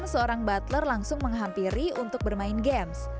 seorang butler langsung menghampiri untuk bermain games